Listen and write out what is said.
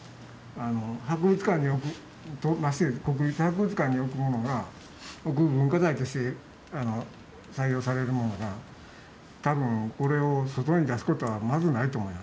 博物館に置くましてや国立博物館に置くものが文化財として採用されるものが多分これを外に出すことはまずないと思います。